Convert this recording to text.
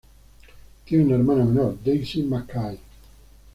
Tiene una hermana menor, Daisy MacKay.